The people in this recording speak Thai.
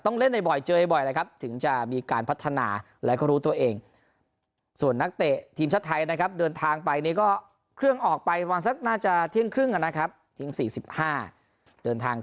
ต้องเล่นให้บ่อยเจอให้บ่อยนะครับถึงจะมีการพัฒนาและเขารู้ตัวเอง